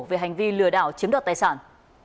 về hành vi lừa đảo chiếm đoạt tài sản